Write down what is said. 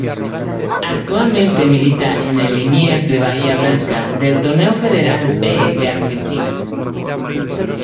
Actualmente milita en el Liniers de Bahia Blanca del Torneo Federal B de Argentina.